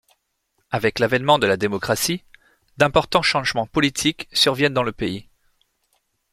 Avec l'avènement de la démocratie, d'importants changements politiques surviennent dans le pays.